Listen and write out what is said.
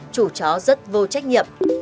chủ chó rất vô trách nhiệm